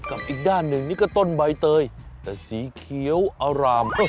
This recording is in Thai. อีกด้านหนึ่งนี่ก็ต้นใบเตยแต่สีเขียวอร่าม